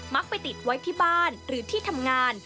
ักไปติดไว้ที่บ้านหรือที่ทำงาน